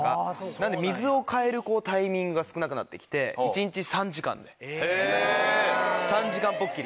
なんで水を替えるタイミングが少なくなって来て１日３時間で。